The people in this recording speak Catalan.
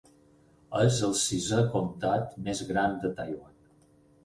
És el sisè comtat més gran de Taiwan.